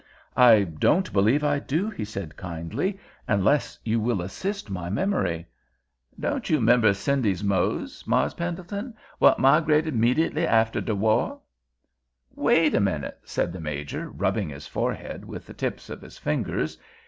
"I don't believe I do," he said kindly—"unless you will assist my memory." "Don't you 'member Cindy's Mose, Mars' Pendleton, what 'migrated 'mediately after de war?" "Wait a moment," said the Major, rubbing his forehead with the tips of his fingers.